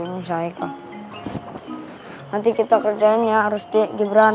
nanti kita kerjain ya harus di gibran